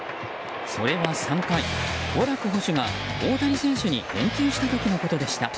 それは３回ウォーラク捕手が大谷選手に返球した時のことでした。